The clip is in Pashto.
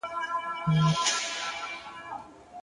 • چي په شا یې د عیبونو ډک خورجین دی ,